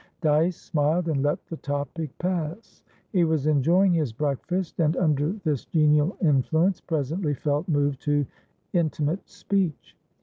Dyce smiled, and let the topic pass. He was enjoying his breakfast, and, under this genial influence, presently felt moved to intimate speech.